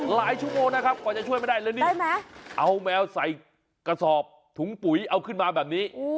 หลายชั่วโมงนะครับกว่าจะช่วยไม่ได้แล้วนี่เอาแมวใส่กระสอบถุงปุ๋ยเอาขึ้นมาแบบนี้